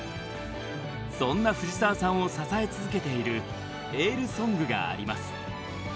そんな藤澤さんを支え続けているエールソングがあります。